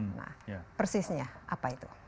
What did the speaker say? nah persisnya apa itu